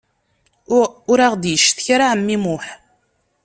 Ur aɣ-d-yeccetka ara ɛemmi Muḥ.